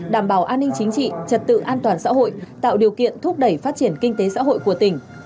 đảm bảo an ninh chính trị trật tự an toàn xã hội tạo điều kiện thúc đẩy phát triển kinh tế xã hội của tỉnh